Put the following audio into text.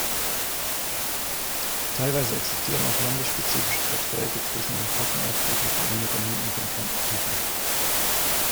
Teilweise existieren auch landesspezifische Verträge zwischen den Kassenärztlichen Vereinigungen und den Krankenkassen.